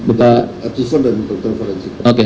apsifo dan kedokteran forensik